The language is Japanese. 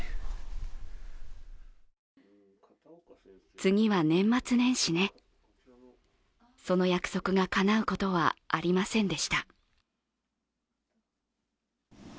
次は年末年始ね、その約束がかなうことはありませんでした。